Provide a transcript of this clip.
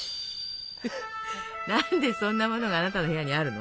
何でそんなものがあなたの部屋にあるの？